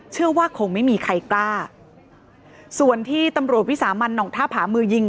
เชื่อว่าคงไม่มีใครกล้าส่วนที่ตำรวจวิสามันห่องท่าผามือยิง